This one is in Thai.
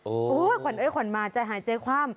โอ้โหขวัญเอ้ยขวัญมาใจหายใจคว่ำ